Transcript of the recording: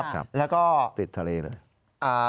ครับแล้วก็ติดทะเลเลย